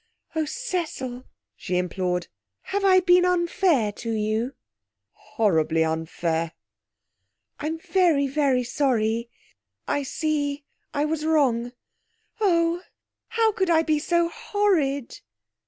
'Oh, Cecil,' she implored, 'have I been unfair to you?' 'Horribly unfair.' 'I'm very, very sorry. I see I was wrong. Oh, how could I be so horrid?'